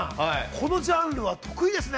このジャンルは得意ですね。